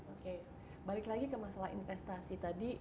oke balik lagi ke masalah investasi tadi